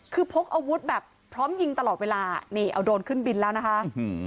คือพกอาวุธแบบพร้อมยิงตลอดเวลานี่เอาโดรนขึ้นบินแล้วนะคะ